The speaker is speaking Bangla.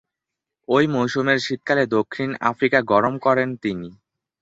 ঐ মৌসুমের শীতকালে দক্ষিণ আফ্রিকা গমন করেন তিনি।